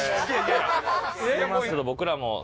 僕らも。